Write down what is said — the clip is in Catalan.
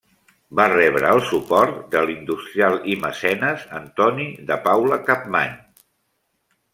Va rebre el suport de l'industrial i mecenes Antoni de Paula Capmany.